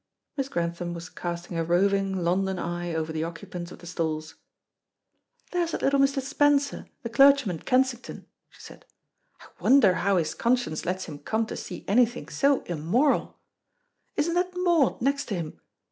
Miss Grantham was casting a roving London eye over the occupants of the stalls. "There's that little Mr. Spencer, the clergyman at Kensington," she said. "I wonder how his conscience lets him come to see anything so immoral. Isn't that Maud next him?